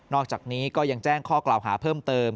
อกจากนี้ก็ยังแจ้งข้อกล่าวหาเพิ่มเติม